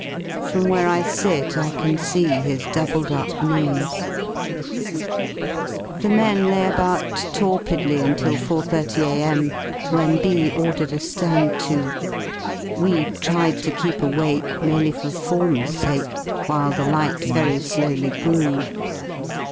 From where I sit I can j see his doubled up knees The men lay about torpidly until 4.30 a.m., when B ordered a ^nd to. We tried to keep awake merely for form's sake while the light very slowly grew.